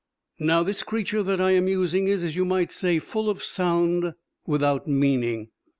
"Now this creature that I am using is, as you might say, full of sound without meaning.